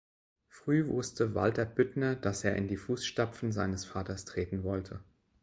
Früh wusste Walter Büttner, dass er in die Fußstapfen seines Vaters treten wollte.